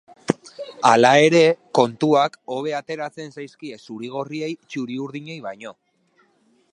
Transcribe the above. Hala ere, kontuak hobe ateratzen zaizkie zurigorriei, txuri-urdinei baino.